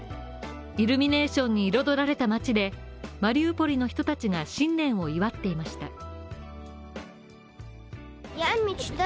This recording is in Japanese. イルミネーションに彩られた街でマリウポリの人たちが新年を祝っていました。